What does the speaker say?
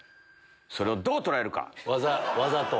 それをどう捉えるか⁉わざと？